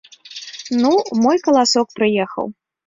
Ну, мой каласок, прыехаў!